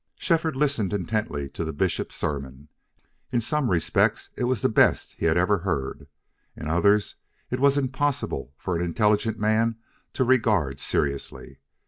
Shefford listened intently to the bishop's sermon. In some respects it was the best he had ever heard. In others it was impossible for an intelligent man to regard seriously.